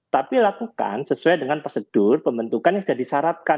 tapi lakukan sesuai dengan prosedur pembentukan yang sudah disyaratkan